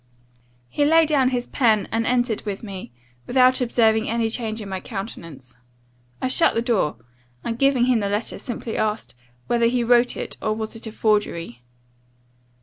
"He laid down his pen, and entered with me, without observing any change in my countenance. I shut the door, and, giving him the letter, simply asked, 'whether he wrote it, or was it a forgery?